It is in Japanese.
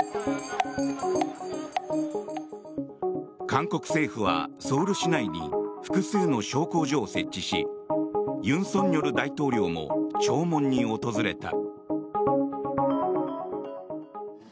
韓国政府はソウル市内に複数の焼香所を設置し尹錫悦大統領も弔問に訪れた。